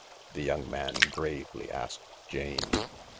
" the young man gravely a r ,ked Jane.